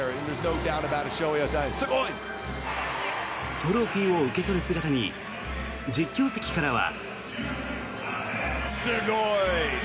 トロフィーを受け取る姿に実況席からは。